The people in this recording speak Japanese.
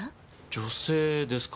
女性ですか？